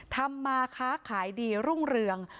ทำมาค้าขายดีรุ่งเรือง